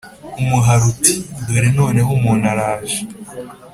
umuhari uti ” dore noneho umuntu araje,